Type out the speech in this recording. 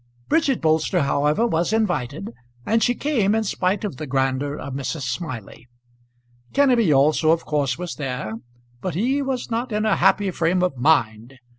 Bridget Bolster, however, was invited, and she came in spite of the grandeur of Mrs. Smiley. Kenneby also of course was there, but he was not in a happy frame of mind.